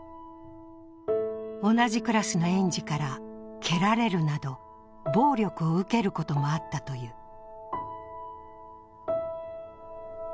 同じクラスの園児から蹴られるなど暴力を受けることもあったという。